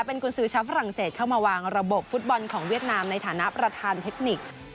เป็นกุญสือชาวฝรั่งเศสเข้ามาวางระบบฟุตบอลของเวียดนามในฐานะประธานเทคนิค